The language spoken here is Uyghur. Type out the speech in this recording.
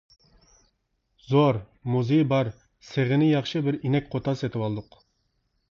زور، موزىيى بار، سېغىنى ياخشى بىر ئىنەك قوتاز سېتىۋالدۇق.